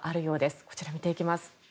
こちら見ていきます。